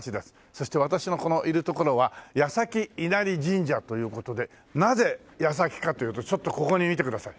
そして私のいる所は矢先稲荷神社という事でなぜ矢先かというとちょっとここに見てください。